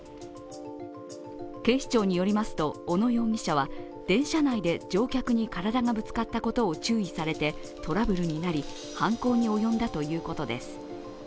警視庁によりますと、小野容疑者は電車内で乗客に体がぶつかったことを注意されてトラブルになり、犯行に及んだということです。